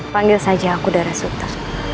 panggil saja aku darah sutar